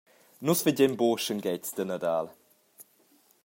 Nus fagein buca schenghetgs da Nadal.